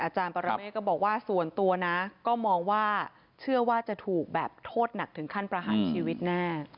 ปรเมฆก็บอกว่าส่วนตัวนะก็มองว่าเชื่อว่าจะถูกแบบโทษหนักถึงขั้นประหารชีวิตแน่